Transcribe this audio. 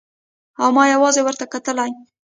او ما يوازې ورته کتلای.